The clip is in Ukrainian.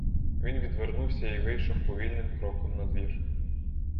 Він відвернувся і вийшов повільним кроком надвір.